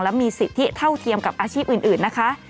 และมีสิทธิเท่าเทียมกับอาชีพอื่นนะคะ